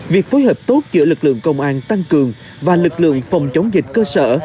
việc phối hợp tốt giữa lực lượng công an tăng cường và lực lượng phòng chống dịch cơ sở